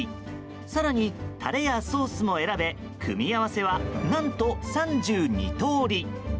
更に、タレやソースも選べ組み合わせは何と３２通り。